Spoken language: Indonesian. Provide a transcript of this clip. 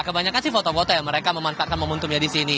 kebanyakan sih foto foto yang mereka memanfaatkan momentumnya di sini